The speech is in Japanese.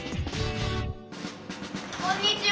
こんにちは！